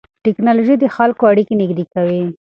ټیکنالوژي د خلکو اړیکې نږدې کوي.